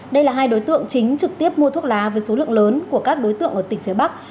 đây là hai đối tượng chính trực tiếp mua thuốc lá với số lượng lớn của các đối tượng ở tỉnh phía bắc